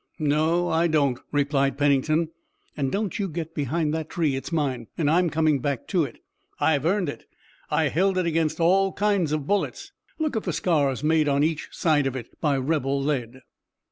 "No, I don't," replied Pennington, "and don't you get behind that tree. It's mine, and I'm coming back to it. I've earned it. I held it against all kinds of bullets. Look at the scars made on each side of it by rebel lead."